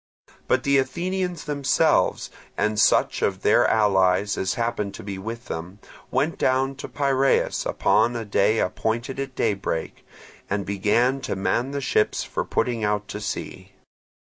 But the Athenians themselves, and such of their allies as happened to be with them, went down to Piraeus upon a day appointed at daybreak, and began to man the ships for putting out to sea.